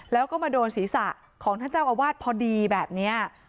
แล้วก็มาโดนศีรษะของท่านเจ้าอาวาสพอดีแบบนี้